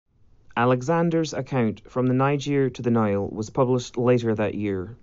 Alexander's account "From The Niger To The Nile" was published later that year.